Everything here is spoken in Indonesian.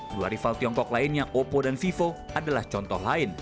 dua rival tiongkok lainnya oppo dan vivo adalah contoh lain